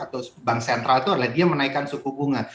atau bank sentral itu adalah dia menaikan suku bunga